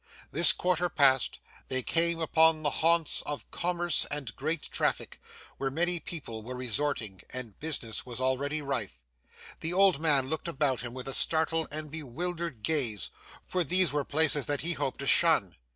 This quarter passed, they came upon the haunts of commerce and great traffic, where many people were resorting, and business was already rife. The old man looked about him with a startled and bewildered gaze, for these were places that he hoped to shun.